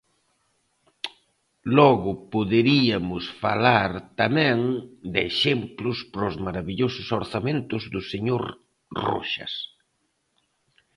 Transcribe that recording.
Logo poderiamos falar tamén de exemplos para os marabillosos orzamentos do señor Roxas.